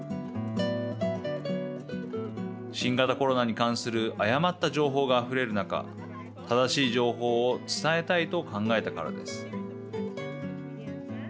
新型コロナに関する誤った情報があふれるなか正しい情報を伝えたいと考えたからです。